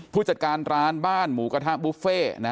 ผู้จัดการร้านบ้านหมูกระทะบุฟเฟ่